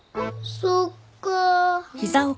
そっかぁ。